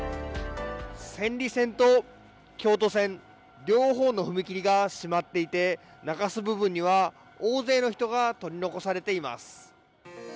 千里線と京都線、両方の踏切が閉まっていて中州部分には大勢の人が取り残されています。